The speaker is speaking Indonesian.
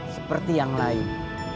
seperti yang lain